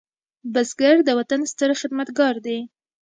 بزګر د وطن ستر خدمتګار دی